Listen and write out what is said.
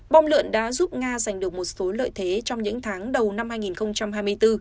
bông lượn đã giúp nga giành được một số lợi thế trong những tháng đầu năm hai nghìn hai mươi bốn